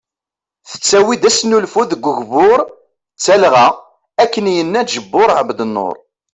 Tettawi-d asnulfu deg ugbur d talɣa ,akken yenna Ǧebur Ɛebdnur.